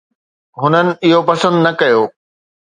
هنن اهو پسند نه ڪيو.